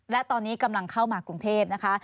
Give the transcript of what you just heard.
และตอนนี้กำลังเข้ามากรุงเทพนะคะ